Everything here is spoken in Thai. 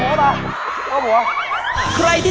เข้าหัวป่ะ